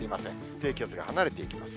低気圧が離れていきます。